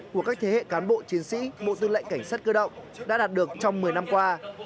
của các thế hệ cán bộ chiến sĩ bộ tư lệnh cảnh sát cơ động đã đạt được trong một mươi năm qua